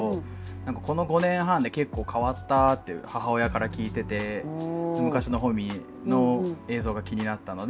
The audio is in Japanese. この５年半で結構変わったって母親から聞いてて昔の保見の映像が気になったので。